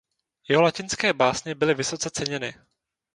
Jeho latinské básně byly vysoce ceněny.